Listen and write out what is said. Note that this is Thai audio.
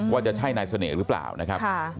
ว่าจะใช่นายเสน่ห์หรือเปล่านะครับ